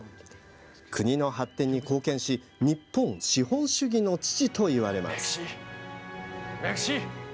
国の発展に貢献し日本資本主義の父といわれます。